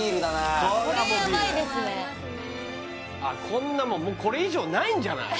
こんなもんこれ以上ないんじゃない？